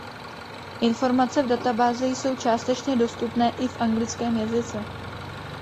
Informace v databázi jsou částečně dostupné i v anglickém jazyce.